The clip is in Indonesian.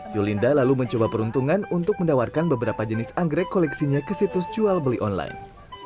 yulinda lalu mencoba peruntungan untuk menawarkan beberapa jenis anggrek koleksinya ke situs jual beli online